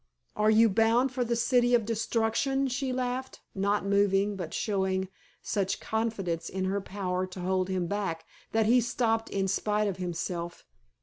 "Are you bound for the city of destruction?" she laughed, not moving, but showing such confidence in her power to hold him back that he stopped in spite of himself.